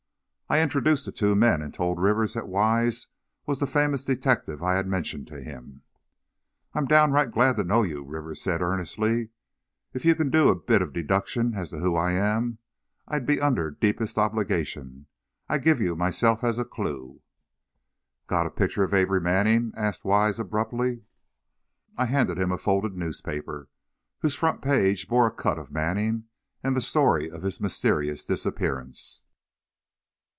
I introduced the two men, and told Rivers that Wise was the famous detective I had mentioned to him. "I'm downright glad to know you," Rivers said, earnestly; "if you can do a bit of deduction as to who I am, I'll be under deepest obligation. I give you myself as a clew." "Got a picture of Amory Manning?" asked Wise, abruptly. I handed him a folded newspaper, whose front page bore a cut of Manning, and the story of his mysterious disappearance.